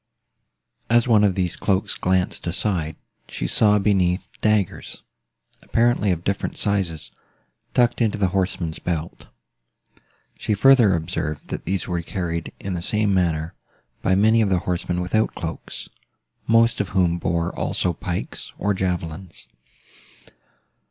As one of these cloaks glanced aside, she saw, beneath, daggers, apparently of different sizes, tucked into the horseman's belt. She further observed, that these were carried, in the same manner, by many of the horsemen without cloaks, most of whom bore also pikes, or javelins.